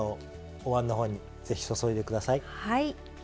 おわんのほうにぜひ注いでください。